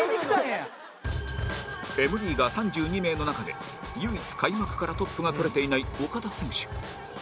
Ｍ リーガー３２名の中で唯一開幕からトップがとれていない岡田選手